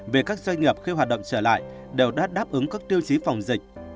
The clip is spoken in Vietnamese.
vì các doanh nghiệp khi hoạt động trở lại đều đã đáp ứng các tiêu chí phòng dịch